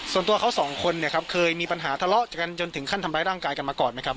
ส่วนตัวเขาสองคนเนี่ยครับเคยมีปัญหาทะเลาะกันจนถึงขั้นทำร้ายร่างกายกันมาก่อนไหมครับ